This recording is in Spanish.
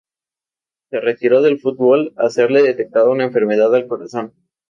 Se retiró del fútbol al serle detectado una enfermedad al corazón.